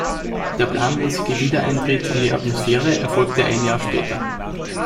Der planmäßige Wiedereintritt in die Atmosphäre erfolgte ein Jahr später.